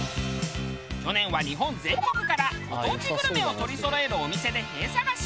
去年は日本全国からご当地グルメを取りそろえるお店でへぇ探し。